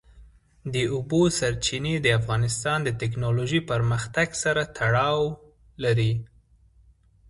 د اوبو سرچینې د افغانستان د تکنالوژۍ پرمختګ سره تړاو لري.